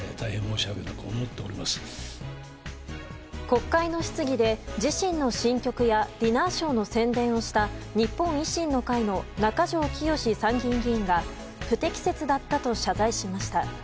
国会の質疑で自身の新曲やディナーショーの宣伝をした日本維新の会の中条きよし参議院議員が不適切だったと謝罪しました。